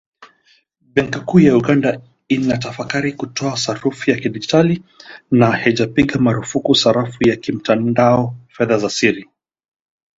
Benki kuu ya Uganda inatafakari kutoa sarafu ya kidigitali, na haijapiga marufuku sarafu ya kimtandao “fedha za siri."